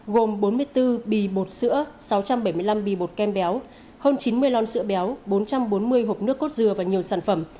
gồm bốn mươi bốn bì bột sữa sáu trăm bảy mươi năm bì bột kem béo hơn chín mươi lon sữa béo bốn trăm bốn mươi hộp nước cốt dừa và nhiều sản phẩm